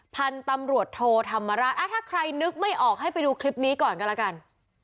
พันธุ์ตำรวจโทธรรมราชถ้าใครนึกไม่ออกให้ไปดูคลิปนี้ก่อนก็แล้วกัน